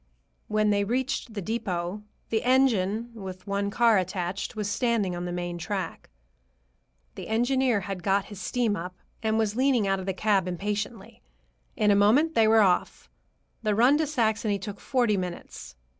When they reached the depot, the engine, with one car attached, was standing on the main track. The engineer had got his steam up, and was leaning out of the cab impatiently. In a moment they were off. The run to Saxony took forty minutes.